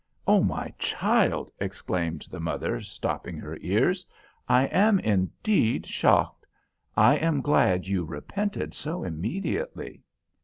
'" "Oh! my child," exclaimed the mother, stopping her ears, "I am indeed shocked. I am glad you repented so immediately."